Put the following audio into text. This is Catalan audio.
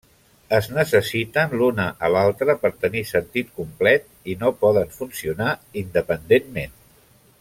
Es necessiten l'una a l'altra per tenir sentit complet i no poden funcionar independentment.